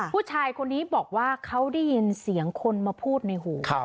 ผู้ชายคนนี้บอกว่าเขาได้ยินเสียงคนมาพูดในหู